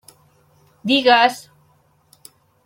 Digues!